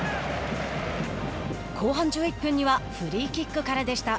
後半１１分にはフリーキックからでした。